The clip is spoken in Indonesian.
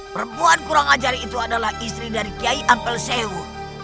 perempuan kurang ajar itu adalah istri dari kiai ampel sewu